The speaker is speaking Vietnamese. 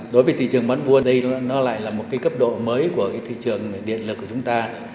đối với thị trường bán buôn đây nó lại là một cái cấp độ mới của cái thị trường điện lực của chúng ta